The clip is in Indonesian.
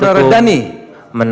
saudara dhani sidari inews